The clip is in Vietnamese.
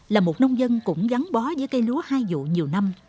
là một nông dân cũng vắng bó với cây lúa hai dụ nhiều năm